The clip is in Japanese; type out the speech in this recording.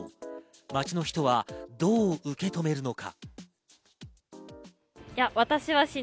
街の人はどう受け止めるのか。